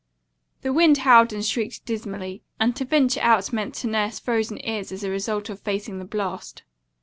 The wind howled and shrieked dismally, and to venture out meant to nurse frozen ears as a result of facing the blast.